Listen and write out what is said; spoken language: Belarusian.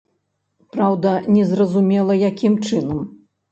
Праўда, незразумела, якім чынам.